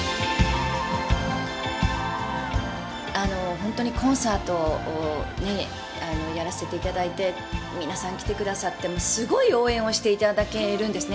本当にコンサートをやらせていただいて、皆さん来てくださって、すごい応援をしていただけるんですね。